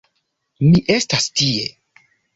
Mi estas tie!